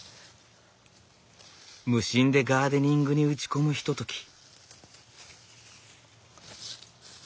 無心でガーデニングに打ち込むひととき。